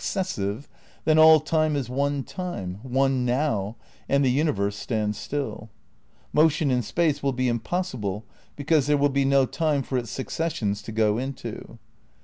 IV THE CRITICAL PREPARATIONS 149 sive, then all Time is one time, one now, and the uni verse stands still. Motion in space will be impossible, because there will be no time for its successions to go into.